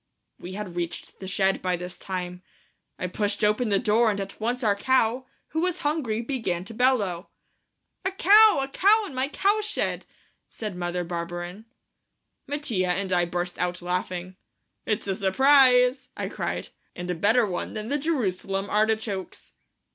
We had reached the shed by this time. I pushed open the door and at once our cow, who was hungry, began to bellow. "A cow! A cow in my cowshed!" cried Mother Barberin. Mattia and I burst out laughing. "It's a surprise," I cried, "and a better one than the Jerusalem artichokes."